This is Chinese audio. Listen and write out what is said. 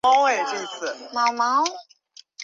清朝曾在寺旁建有隆福寺行宫。